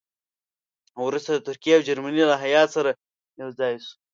وروسته د ترکیې او جرمني له هیات سره یو ځای شو.